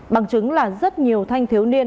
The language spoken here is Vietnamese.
bằng chứng là rất nhiều thanh thiếu niên